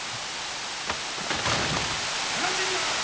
話にならん！